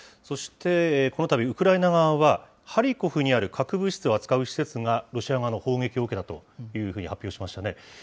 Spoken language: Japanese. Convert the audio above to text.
そして、このたびウクライナ側は、ハリコフにある核物質を扱う施設がロシア側の攻撃を受けたというふうに発表しましたね。